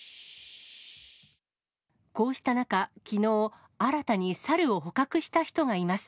こうした中、きのう、新たにサルを捕獲した人がいます。